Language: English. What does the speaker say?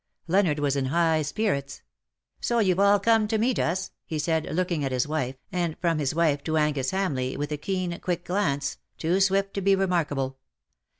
Leonard was in high spirits. ^^ So you\e all come to meet us/^ he said, looking at his wife, and from his wife to Angus Hamleigh, with a keen, quick glance, too swift to be remark able.